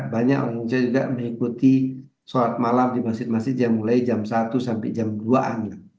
banyak orang indonesia juga mengikuti sholat malam di masjid masjid yang mulai jam satu sampai jam dua an